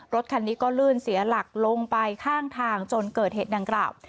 รถคันนี้ก็ลื่นเสียหลักลงไปข้างทางจนเกิดเหตุดังกล่าว